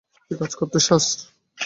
তুই কাজ করতে চাস?